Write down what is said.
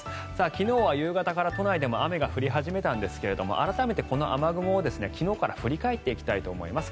昨日は夕方から都内でも雨が降り始めたんですが改めてこの雨雲を昨日から振り返っていきたいと思います。